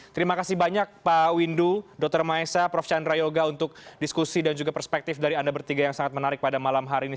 terima kasih banyak pak windu dr maesa prof chandra yoga untuk diskusi dan juga perspektif dari anda bertiga yang sangat menarik pada malam hari ini